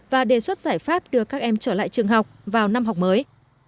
và đề xuất giải pháp đưa các em trở lại trường học vào năm học mới